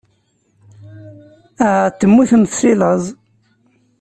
Ahat temmutemt seg laẓ.